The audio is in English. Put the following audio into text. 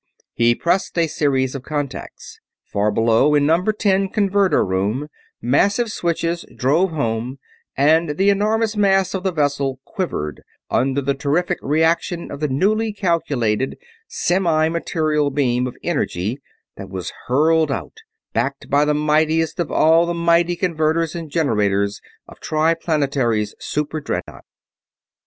He pressed a series of contacts. Far below, in number ten converter room, massive switches drove home and the enormous mass of the vessel quivered under the terrific reaction of the newly calculated, semi material beam of energy that was hurled out, backed by the mightiest of all the mighty converters and generators of Triplanetary's super dreadnaught.